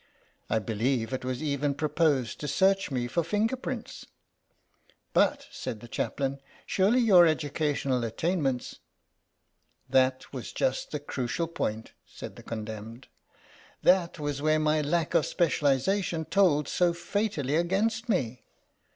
I believe it was even proposed to search me for finger prints." "But," said the Chaplain, "surely your educational attainments " "That was just the crucial point," said the 22 THE LOST SANJAK condemned; "that was where my lack of specialisation told so fatally against me.